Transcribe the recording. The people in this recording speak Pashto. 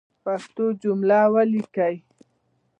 پښتو جملی لیکل